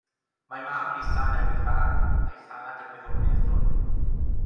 Mae mam Lisa newydd farw, a'i thad yn wyddonydd dwl.